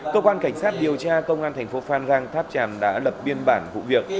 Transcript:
cơ quan cảnh sát điều tra công an thành phố phan rang tháp tràm đã lập biên bản vụ việc